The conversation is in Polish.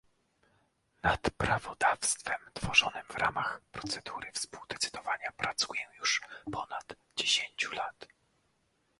Nad prawodawstwem tworzonym w ramach procedury współdecydowania pracuję już ponad dziesięciu lat